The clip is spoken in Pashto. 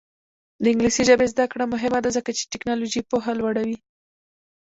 د انګلیسي ژبې زده کړه مهمه ده ځکه چې تکنالوژي پوهه لوړوي.